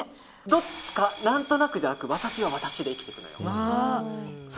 どっちか、何となくじゃなくて私は私で生きていくのよ。